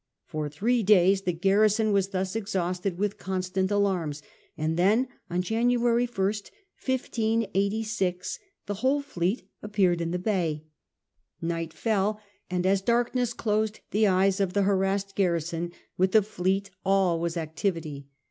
For three days the garrison was thus exhausted with constant alarms, and then on January Ist^ 1586, the whole fleet appeared in the bay. Night fell, and as darkness closed the eyes of the harassed garrison, with the fleet all was activity.